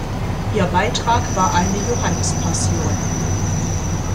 Ihr Beitrag war eine Johannespassion.